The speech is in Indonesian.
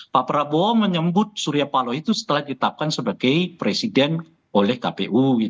pak prabowo menyebut surya paloh itu setelah ditetapkan sebagai presiden oleh kpu